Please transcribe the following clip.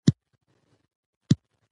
سلیمان غر د شنو سیمو یوه ښکلا ده.